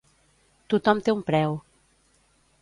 Tothom té un preu.